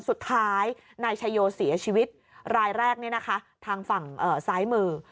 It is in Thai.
สุดท้ายนายชายโยเสียชีวิตรายแรกทางฝั่งซ้ายมือ